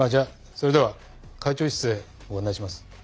それでは会長室へご案内します。